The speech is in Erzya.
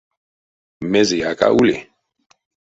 Мезеяк а ули.